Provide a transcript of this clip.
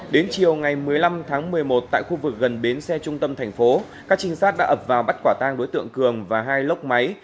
đến chiều ngày một mươi năm tháng một mươi một tại khu vực gần bến xe trung tâm thành phố các trinh sát đã ập vào bắt quả tang đối tượng cường và hai lốc máy